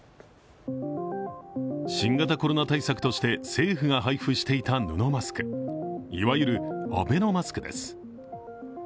新型コロナ対策として政府が配布していた布マスク、いわゆるアベノマスクです。